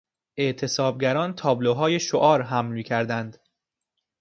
اعتصابگران تابلوهای شعار حمل میکردند.